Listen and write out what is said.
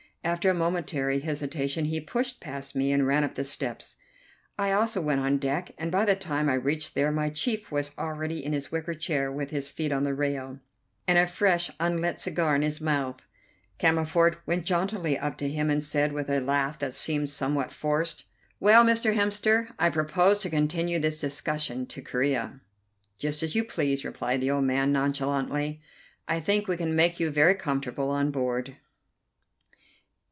After a momentary hesitation he pushed past me, and ran up the steps. I also went on deck, and by the time I reached there my chief was already in his wicker chair with his feet on the rail, and a fresh unlit cigar in his mouth. Cammerford went jauntily up to him and said with a laugh that seemed somewhat forced: "Well, Mr. Hemster, I propose to continue this discussion to Corea." "Just as you please," replied the old man nonchalantly. "I think we can make you very comfortable on board."